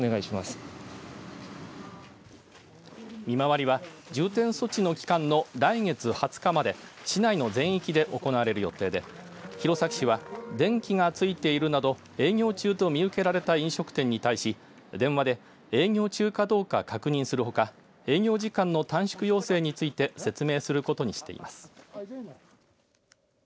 見回りは、重点措置の期間の来月２０日まで市内の全域で行われる予定で弘前市は電気がついているなど営業中と見受けられた飲食店に対し電話で営業中かどうか確認するほか営業時間の短縮要請について説明することにしています。